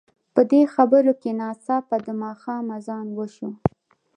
په دې خبرو کې ناڅاپه د ماښام اذان وشو.